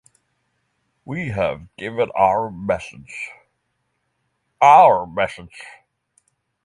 We have given our message, our message!